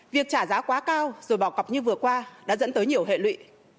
việc trả giá quá cao rồi bỏ cọc như vừa qua đã dẫn tới nhiều hệ lụy